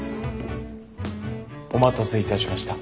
お待たせいたしました。